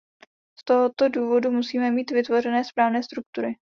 Z tohoto důvodu musíme mít vytvořené správné struktury.